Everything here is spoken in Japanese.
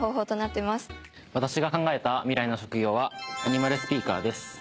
私が考えた未来の職業はアニマルスピーカーです。